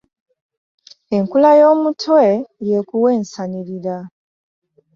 Enkula y'omutwe, y'ekuwa ensanirira.